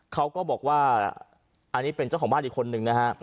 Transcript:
เขาก็บอกว่าอันนี้เป็นเจ้าของบ้านอีกคนนึงนะฮะ